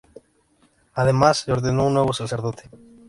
Además, se ordenó un nuevo sacerdote.